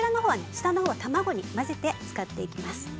下のほうは卵に混ぜて使っていきます。